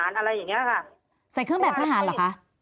ตอนที่จะไปอยู่โรงเรียนจบมไหนคะ